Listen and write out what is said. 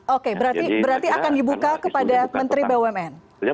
oke berarti akan dibuka kepada menteri bumn